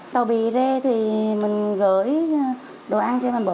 tàu bì rê thì mình gửi đồ ăn cho bà bỡ